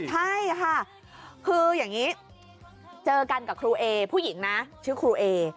ใช่ค่ะคืออย่างนี้เจอกันกับครูเอผู้หญิงนะชื่อครูเอ